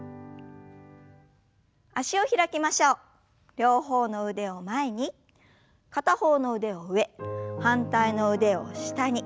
両方の腕を前に片方の腕は上反対の腕を下に。